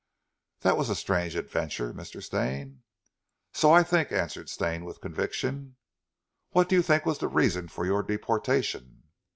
"That was a strange adventure, Mr. Stane." "So I think," answered Stane with conviction. "What do you think was the reason for your deportation?"